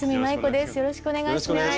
よろしくお願いします。